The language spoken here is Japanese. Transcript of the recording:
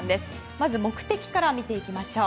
まず目的から見ていきましょう。